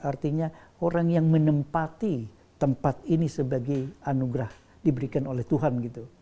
artinya orang yang menempati tempat ini sebagai anugerah diberikan oleh tuhan gitu